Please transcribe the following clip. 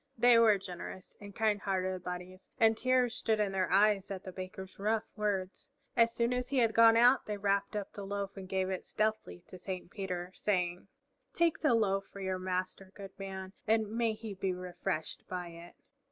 They were generous and kind hearted bodies, and tears stood in their eyes at the Baker's rough words. As soon as he had gone out they wrapped up the loaf and gave it stealthily to Saint Peter saying, "Take the loaf for your Master, good man, and may he be refreshed by it."